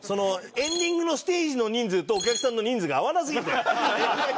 エンディングのステージの人数とお客さんの人数が合わなすぎて。